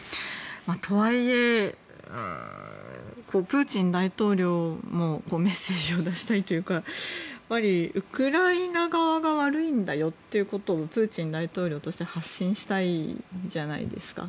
とはいえ、プーチン大統領もメッセージを出したいというかやっぱりウクライナ側が悪いんだよっていうことをプーチン大統領として発信したいんじゃないですか。